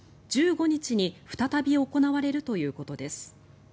１５日に再び行われるということです。